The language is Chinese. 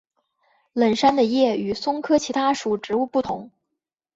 冷杉的叶与松科其他属植物不同。